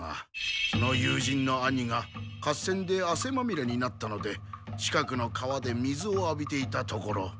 その友人の兄が合戦であせまみれになったので近くの川で水をあびていたところ。